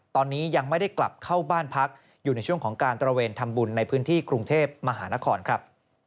ตอนนี้ยังไม่ได้กลับเข้าบ้านพักอยู่ในช่วงของการตระเวนทำบุญในพื้นที่กรุงเทพมหานครครับ